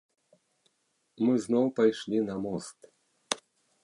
Мы зноў пайшлі на мост.